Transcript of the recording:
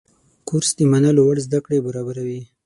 کورس د منلو وړ زده کړه برابروي.